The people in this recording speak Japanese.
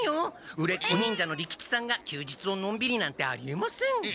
売れっ子忍者の利吉さんが休日をのんびりなんてありえません！